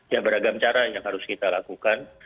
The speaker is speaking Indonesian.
ya beragam cara yang harus kita lakukan